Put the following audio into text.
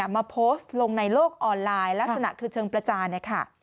มาโพสต์ลงในโลกออนไลน์ลักษณะคือเชิงประจานนะคะ